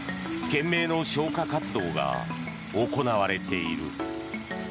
懸命の消火活動が行われている。